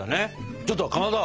ちょっとかまど！